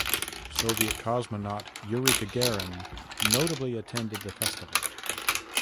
Soviet cosmonaut Yuri Gagarin notably attended the festival.